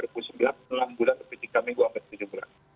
dua ribu sembilan belas enam bulan lebih jika minggu abad tujuh belas bulan